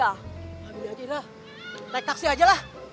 ambil aja lah naik taksi aja lah